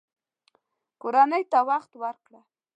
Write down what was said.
کورنۍ ته وخت ورکړه